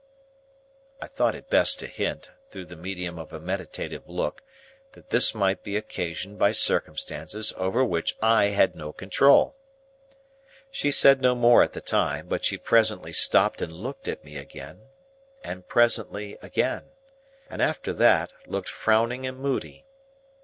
I thought it best to hint, through the medium of a meditative look, that this might be occasioned by circumstances over which I had no control. She said no more at the time; but she presently stopped and looked at me again; and presently again; and after that, looked frowning and moody.